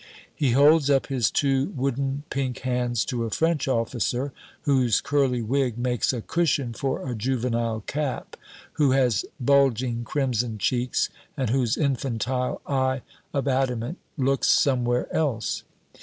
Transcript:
He holds up his two wooden pink hands to a French officer, whose curly wig makes a cushion for a juvenile cap, who has bulging, crimson cheeks, and whose infantile eye of adamant looks somewhere else.